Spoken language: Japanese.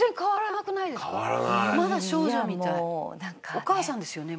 お母さんですよね？